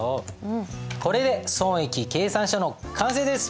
これで損益計算書の完成です。